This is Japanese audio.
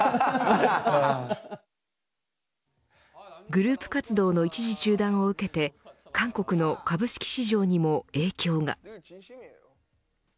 グループ活動の一時中断を受けて韓国の株式市場にも影響が。